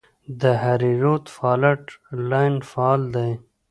د هریرود فالټ لاین فعال دی